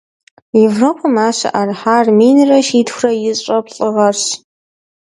Европэм ар щыӏэрыхьар минрэ щитхурэ ищӏрэ плӏы гъэрщ.